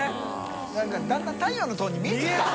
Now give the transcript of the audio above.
なんかだんだん太陽の塔に見えてきたもん。